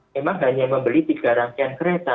memang hanya membeli tiga rangkaian kereta